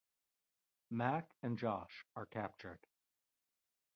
Mac and Josh are captured.